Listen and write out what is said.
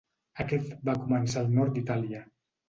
Aquest va començar al nord d'Itàlia.